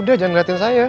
udah jangan ngeliatin saya